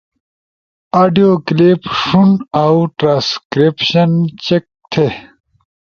آدیو کلپ ݜُونو اؤ ٹرانسکریپشن چیک تھے۔